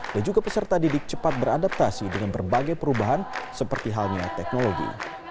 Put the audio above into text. dan juga peserta didik cepat beradaptasi dengan berbagai perubahan seperti halnya teknologi